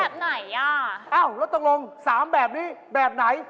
เอ้ารถตรงรงค์๓แบบนี้แบบไหน